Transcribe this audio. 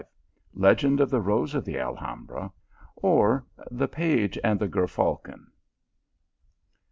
LEGEND OF THE ROSE OF THE ALHAMBRA; "Or the Page and the Ger Falcon."